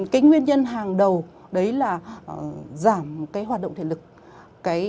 cái nguyên nhân hàng đầu đấy là giảm cái hoạt động thể lực